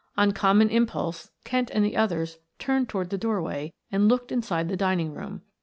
On common impulse Kent and the others turned toward the doorway and looked inside the dining room.